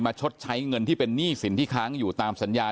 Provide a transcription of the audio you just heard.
ชดใช้เงินที่เป็นหนี้สินที่ค้างอยู่ตามสัญญา